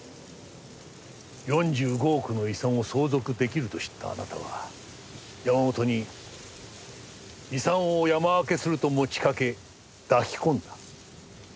４５億の遺産を相続出来ると知ったあなたは山本に遺産を山分けすると持ちかけ抱き込んだ。